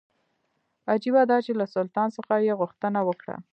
عجیبه دا چې له سلطان څخه یې غوښتنه وکړه.